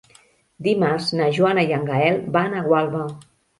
Dimarts na Joana i en Gaël van a Gualba.